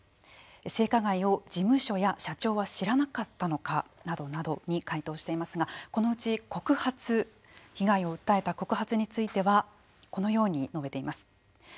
性加害を事務所や社長は知らなかったのかなどなどに回答していますがこのうち告発被害を訴えた告発についてはこのように述べています。